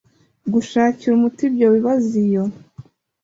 gushakira umuti ibyo bibazo iyo